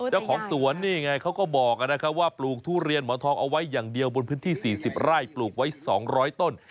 เจ้าของสวนนี่ไงเขาก็บอกนะครับว่าปลูกทุเรียนหมอนทองเอาไว้อย่างเดียวบนพื้นที่๔๐ไร่ปลูกไว้๒๐๐ต้น